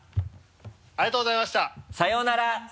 ありがとうございました！さようなら！